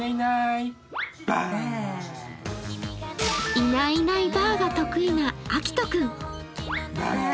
いないいないばあが得意なあきとくん。